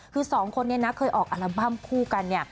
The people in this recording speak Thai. คือสองคนนี้นะเคยออกอัลบั้มคู่กันเนี่ย